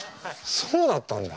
そうだったんだ。